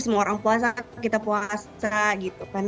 semua orang puasa kita puasa gitu kan